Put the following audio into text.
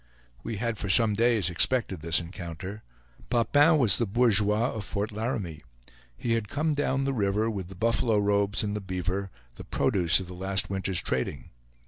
We had for some days expected this encounter. Papin was the bourgeois of Fort Laramie. He had come down the river with the buffalo robes and the beaver, the produce of the last winter's trading.